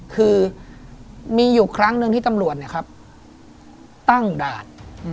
คือมีอยู่ครั้งหนึ่งที่ตำรวจตั้งด่าน